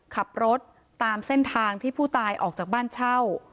ขับรถตามเส้นทางที่ผู้ตายออกจากบ้านเช่า